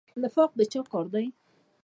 نفاق د چا کار دی؟